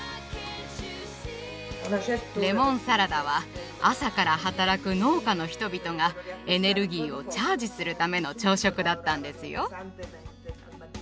レモンサラダは朝から働く農家の人々がエネルギーをチャージするための朝食だったんですよ。